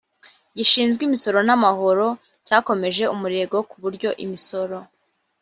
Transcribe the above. gishinzwe imisoro n amah ro cyakomeje umurego ku buryo imisoro